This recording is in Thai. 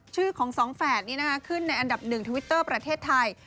ชื่อของสองแฟนเข้าไปอันดับหนึ่งทวิวเตอร์ประเทศไทย